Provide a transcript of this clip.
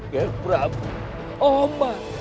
ger prabu omat